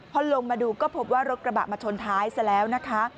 พอลงมาดูก็พบว่ารถกระบะมาชนท้ายซะแล้วนะคะ